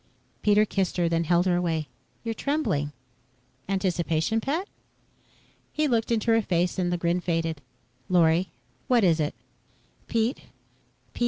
Pete kissed her, then held her away. "You're trembling. Anticipation, pet?" He looked into her face and the grin faded. "Lorry, what is it?" "Pete Pete.